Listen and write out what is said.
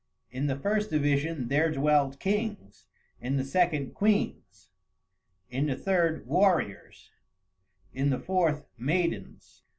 In the first division there dwelt kings, in the second queens, in the third warriors, and in the fourth maidens.